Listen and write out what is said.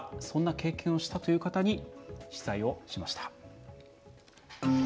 そんな経験をしたという方に取材をしました。